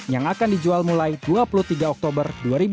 yang akan dijual mulai dua puluh tiga oktober dua ribu dua puluh